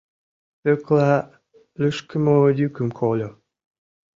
Пӧкла лӱшкымӧ йӱкым кольо.